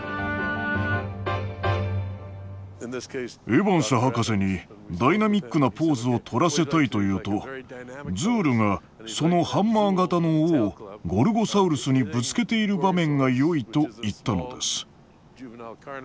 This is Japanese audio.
エヴァンス博士に「ダイナミックなポーズをとらせたい」と言うと「ズールがそのハンマー型の尾をゴルゴサウルスにぶつけている場面がよい」と言ったのです。